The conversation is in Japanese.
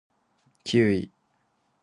キウイ